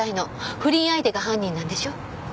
不倫相手が犯人なんでしょ？